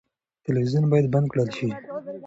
تلویزیون باید بند کړل شي.